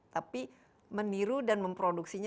tapi meniru dan memproduksinya